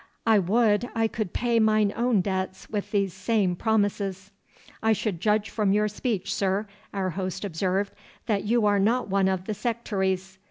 I would I could pay mine own debts with these same promises.' 'I should judge from your speech, sir,' our host observed, 'that you are not one of the sectaries.